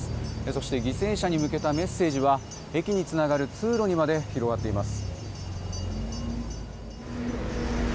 そして、犠牲者に向けたメッセージは駅につながる通路にまで広がっています。